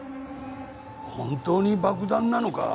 本当に爆弾なのか？